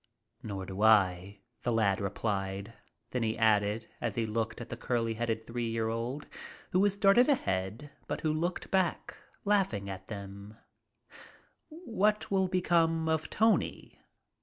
"Nor do I," the lad replied; then he added, as he looked at the curly headed three year old, who had darted ahead but who looked back, laughing at them, "What will become of Tony?"